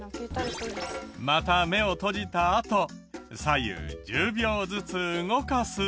また目を閉じたあと左右１０秒ずつ動かす。